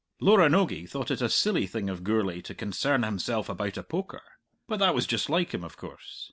Loranogie thought it a silly thing of Gourlay to concern himself about a poker. But that was just like him, of course.